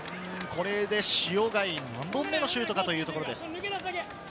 これで塩貝、何本目のシュートかというところです。